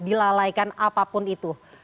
dilalaikan apapun itu